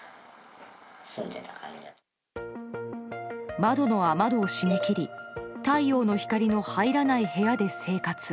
窓の雨戸を閉め切り太陽の光の入らない部屋で生活。